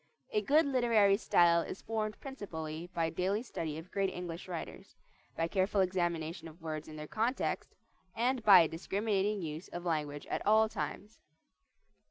A good literary style is formed principally by daily study of great English writers, by careful examination of words in their context, and by a discriminating use of language at all times.